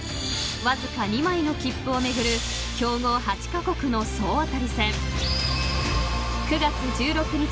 ［わずか２枚の切符を巡る強豪８カ国の総当たり戦］